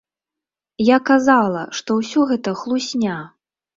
Я казала, што ўсё гэта хлусня.